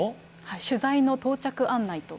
取材の到着案内と。